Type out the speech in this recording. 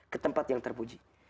ketempat yang terpuji